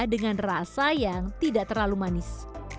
dengan rasa yang tidak terlalu manis